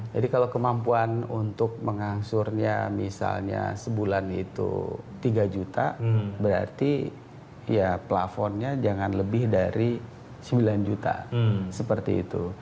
jadi kalau kemampuan untuk mengangsurnya misalnya sebulan itu tiga juta berarti ya plafonnya jangan lebih dari sembilan juta seperti itu